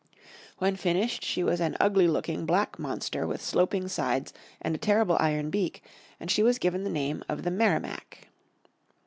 When finished she was an ugly looking, black monster with sloping sides and a terrible iron beak, and she was given the name of the Merrimac.